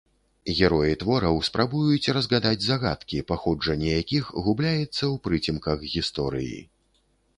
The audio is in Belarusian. Героі твораў спрабуюць разгадаць загадкі, паходжанне якіх губляецца ў прыцемках гісторыі.